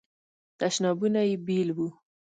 تشنابونه یې بیل وو.